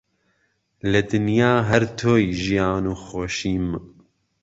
لە دنیا هەر تۆی ژیان و خۆشیم